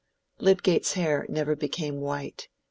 Lydgate's hair never became white.